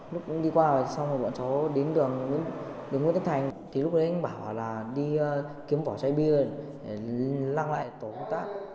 lúc đó đi qua rồi xong rồi bọn cháu đến đường hương đất thành thì lúc đấy anh bảo là đi kiếm bỏ xe bia để lăng lại tổ công tác